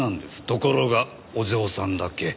ところがお嬢さんだけ。